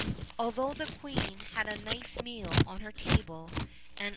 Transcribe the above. Although the queen had a nice meal on her table, anc.